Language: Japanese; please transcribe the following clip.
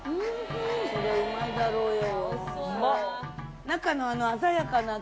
そりゃうまいだろうよ。